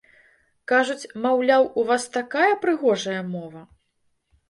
Кажуць, маўляў, у вас такая прыгожая мова!